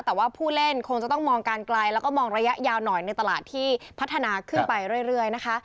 แต่ว่าผู้เล่นคงจะต้องมองการไกลแล้วก็มองระยะยาวหน่อยในตลาดที่พัฒนาขึ้นไปเรื่อยนะคะ